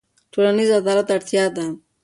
ټولنیز عدالت اړتیا ده.